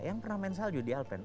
yang pernah main salju di alpen